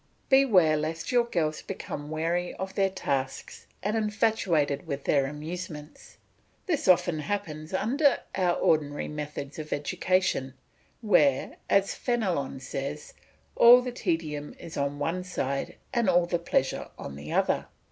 Beware lest your girls become weary of their tasks and infatuated with their amusements; this often happens under our ordinary methods of education, where, as Fenelon says, all the tedium is on one side and all the pleasure on the other.